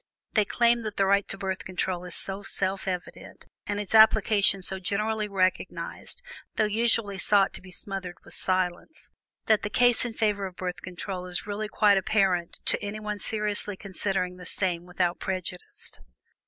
They claim that the right to Birth Control is so self evident, and its application so generally recognized (though usually sought to be smothered with silence) that the case in favor of Birth Control is really quite apparent to anyone seriously considering the same without prejudice.